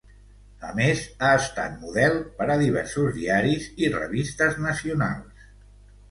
A més, ha estat model per a diversos diaris i revistes nacionals.